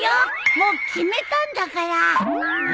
もう決めたんだから！